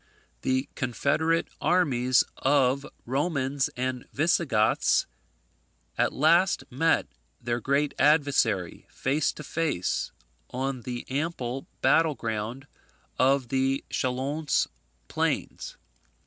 The confederate armies of Romans and Visigoths at last met their great adversary, face to face, on the ample battle ground of the Chalons plains.